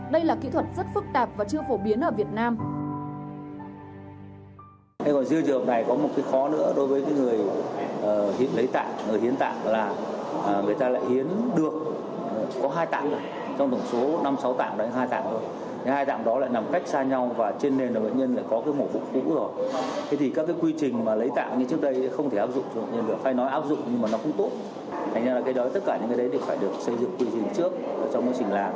đây là kỹ thuật rất phức tạp và chưa phổ biến ở việt nam